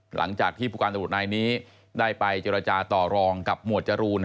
หลังจากที่ผู้การตำรวจนายนี้ได้ไปเจรจาต่อรองกับหมวดจรูน